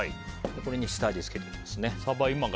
これに下味を付けていきますね。